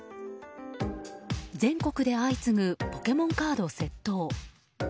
全国で相次ぐポケモンカード窃盗。